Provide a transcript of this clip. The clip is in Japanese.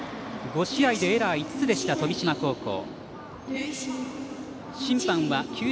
５試合でエラー５つでした富島高校。